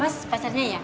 mas pacarnya ya